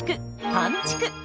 「パンちく」！